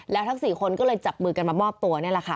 แล้วทั้ง๔คนก็เลยจับมือกันมามอบตัวนี่แหละค่ะ